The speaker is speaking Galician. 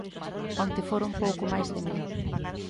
Onte foron pouco máis de mil.